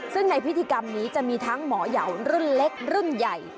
ซึ่งในพิธีกรรมนี้จะมีทั้งหมอยาวรุ่นเล็กรุ่นใหญ่